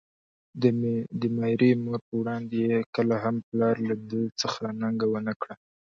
د ميرې مور په وړاندې يې کله هم پلار له ده څخه ننګه ونکړه.